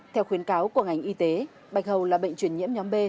theo khuyến cáo của ngành y tế bạch hầu là bệnh truyền nhiễm nhóm b